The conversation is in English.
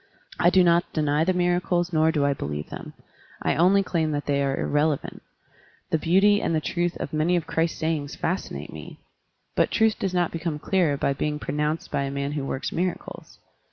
I do not deny the miracles nor do I believe them ; I only claim that they are irrelevant. The beauty and the truth of many of Christ's sayings fascinate me, but truth does not become clearer by being pronounced by a man who works mira cles.